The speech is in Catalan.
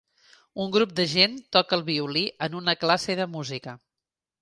Un grup de gent toca el violí en una classe de música.